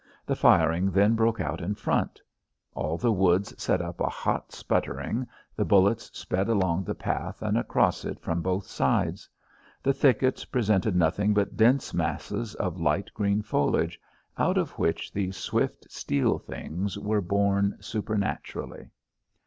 The firing then broke out in front. All the woods set up a hot sputtering; the bullets sped along the path and across it from both sides. The thickets presented nothing but dense masses of light green foliage, out of which these swift steel things were born supernaturally.